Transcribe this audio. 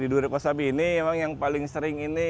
di dura kosabi ini memang yang paling sering ini